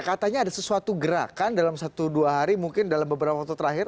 katanya ada sesuatu gerakan dalam satu dua hari mungkin dalam beberapa waktu terakhir